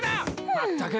まったく。